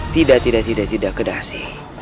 tidak tidak tidak tidak kedasi